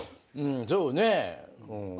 そうね。